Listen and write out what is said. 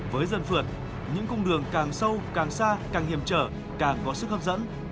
với dân phượt những cung đường càng sâu càng xa càng hiểm trở càng có sức hấp dẫn